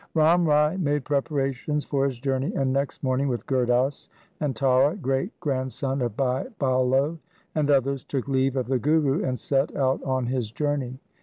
Ram Rai made preparations for his journey, and next morning with Gurdas 1 and Tara (great grand son of Bhai Bahlo) and others took leave of the Guru and set out on his journey.